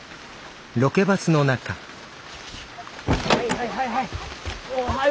はいはいはいはい。